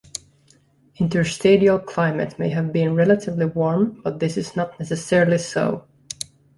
Interstadial climate may have been relatively warm but this is not necessarily so.